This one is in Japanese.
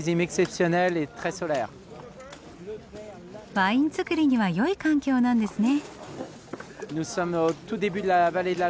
ワイン造りにはよい環境なんですね。